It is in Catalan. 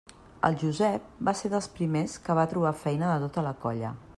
El Josep va ser dels primers que va trobar feina de tota la colla.